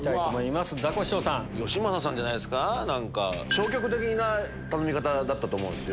消極的な頼み方だったと思うんですよ。